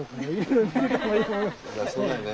そうだよね。